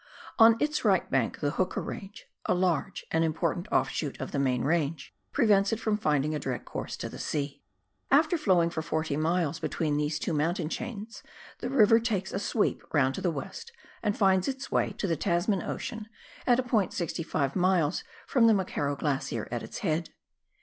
On its right bank the Hooker range — a large and important ofishoot of the main range — prevents it from finding a direct course to the sea. After flowing for 40 miles between these two mountain chains, the river takes a sweep round to the west and finds its way to the Tasman ocean at a point 65 miles from the McKerrow Glacier at its head.